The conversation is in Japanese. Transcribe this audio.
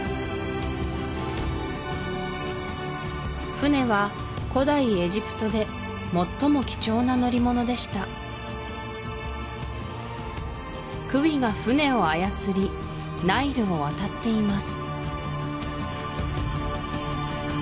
船は古代エジプトで最も貴重な乗り物でしたクウィが船を操りナイルを渡っています